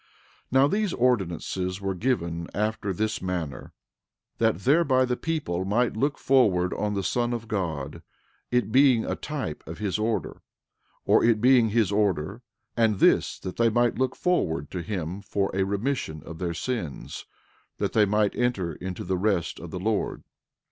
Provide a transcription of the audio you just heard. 13:16 Now these ordinances were given after this manner, that thereby the people might look forward on the Son of God, it being a type of his order, or it being his order, and this that they might look forward to him for a remission of their sins, that they might enter into the rest of the Lord.